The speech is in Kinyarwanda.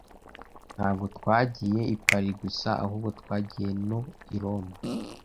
Ntabwo twagiye i Paris gusa, ahubwo twagiye no i Roma.